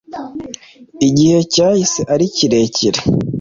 Igihe cyahise ari kirekire